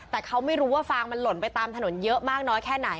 แต่เขาไม่รู้ว่าฟางมันหล่นไปตามถนนเยอะมากน้อยแค่ไหน